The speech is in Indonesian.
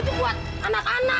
itu buat anak anak